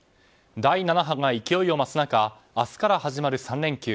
第７波が勢いを増す中明日から始まる３連休。